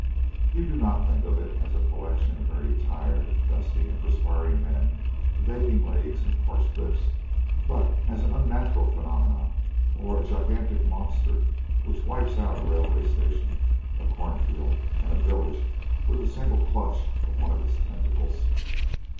You do not think of it as a collection of very tired, dusty, and perspiring men with aching legs and parched lips, but as an unnatural phenomenon, or a gigantic monster which wipes out a railway station, a cornfield, and a village with a single clutch of one of its tentacles.